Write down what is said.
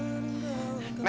terima kasih ya